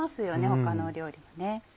他の料理もね。